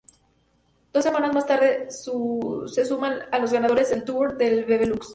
Dos semanas más tarde, se suma a los ganadores del Tour del Benelux.